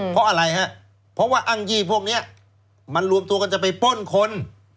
เพราะอะไรฮะเพราะว่าอ้างยี่พวกนี้มันรวมตัวกันจะไปป้นคน